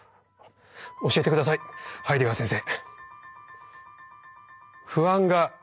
教えて下さいハイデガー先生。